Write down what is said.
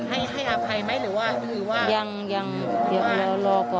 ให้ให้อภัยไหมหรือว่าหรือว่ายังยังเดี๋ยวเรารอก่อน